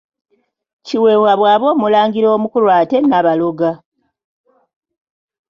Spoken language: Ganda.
Kiweewa bw'aba omulangira omukulu ate Nabaloga?